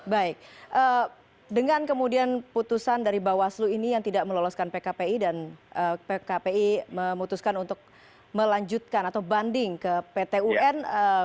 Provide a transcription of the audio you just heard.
baik dengan kemudian putusan dari bawaslu ini yang tidak meloloskan pkpi dan pkpi memutuskan untuk melanjutkan atau banding ke pt un